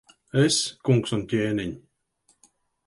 Es, kungs un ķēniņ!